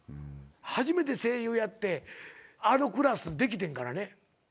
初めて声優やってあのクラスできてんからね。